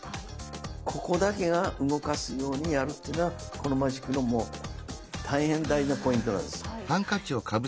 ここだけが動かすようにやるっていうのがこのマジックの大変大事なポイントなんです。